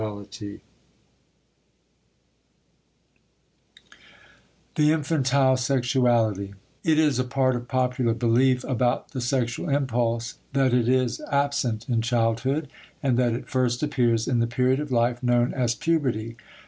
II THE INFANTILE SEXUALITY It is a part of popular belief about the sexual impulse that it is absent in childhood and that it first appears in the period of life known as puberty.